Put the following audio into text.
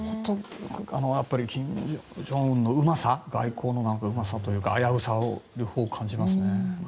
金正恩総書記のうまさ外交のうまさというか危うさの両方を感じますね。